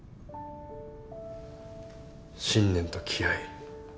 信念と気合